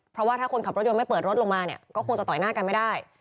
เพราะว่าถ้าคนขับรถยนต์ไม่เปิดรถลงมาเนี่ยก็คงจะต่อยหน้ากันไม่ได้